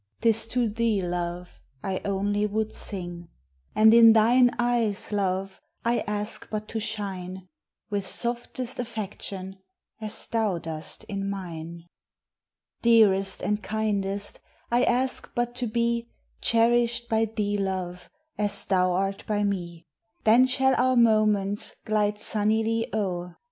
'tis to thee love I only would sing; And in thine eyes love, I ask but to shine; With softest affection, As thou dost in mine. Dearest and kindest, I ask but to be Cherished by thee love, As thou art by me; Then shall our moments Glide sunnily o'er.